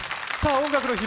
「音楽の日」